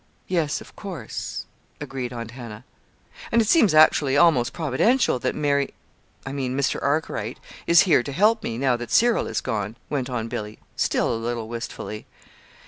"Yes, of course," agreed Aunt Hannah. "And it seems actually almost providential that Mary I mean Mr. Arkwright is here to help me, now that Cyril is gone," went on Billy, still a little wistfully.